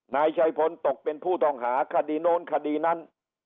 นายชัยพลตกเป็นผู้ต้องหาคดีโน้นคดีนั้น